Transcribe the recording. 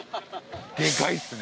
でかいっすね。